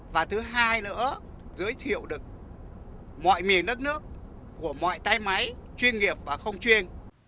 và thứ hai nữa giới thiệu được mọi miền đất nước của mọi tay máy chuyên nghiệp và không chuyên